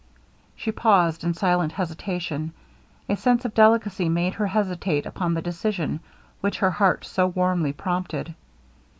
She paused in silent hesitation. A sense of delicacy made her hesitate upon the decision which her heart so warmly prompted.